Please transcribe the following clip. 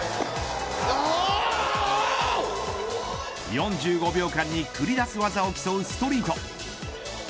４５秒間に繰り出す技を競うストリート。